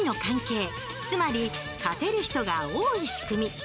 つまり勝てる人が多い仕組み。